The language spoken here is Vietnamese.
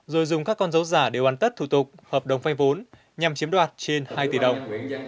rồi dùng các con dấu giả để hoàn tất thủ tục hợp đồng vay vốn nhằm chiếm đoạt trên hai tỷ đồng